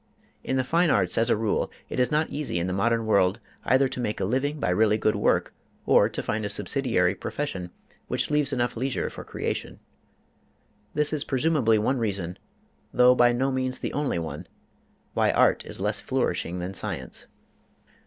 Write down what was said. In the fine arts, as a rule, it is not easy in the modern world either to make a living by really good work or to find a subsidiary profession which leaves enough leisure for creation. This is presumably one reason, though by no means the only one, why art is less flourishing than science.